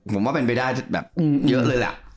ผมว่าเป็นไปได้แบบเยอะเลยแหละ